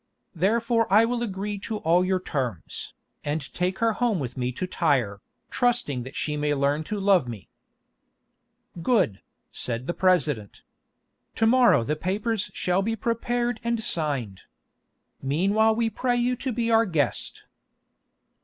Therefore I will agree to all your terms, and take her home with me to Tyre, trusting that she may learn to love me." "Good," said the President. "To morrow the papers shall be prepared and signed. Meanwhile we pray you to be our guest."